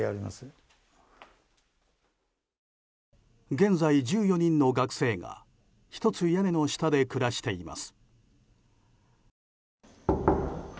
現在１４人の学生が一つ屋根の下で暮らしています。